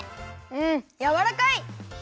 んやわらかい！